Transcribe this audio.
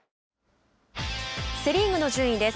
セ・リーグの順位です。